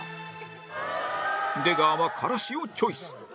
出川はからしをチョイス